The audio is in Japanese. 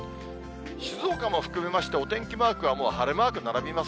静岡も含めまして、お天気マークは、もう晴れマーク並びます。